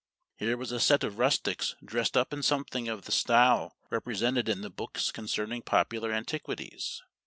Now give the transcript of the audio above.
Here was a set of rustics dressed up in something of the style represented in the books concerning popular antiquities.